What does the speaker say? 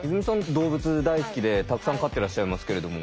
動物大好きでたくさん飼ってらっしゃいますけれども。